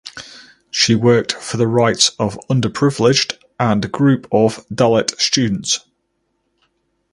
She worked for the rights of underprivileged and group of Dalit students.